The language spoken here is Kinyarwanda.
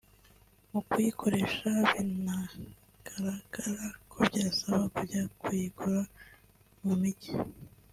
mu kuyikoresha binagaragara ko byasaba kujya kuyigura mu mijyi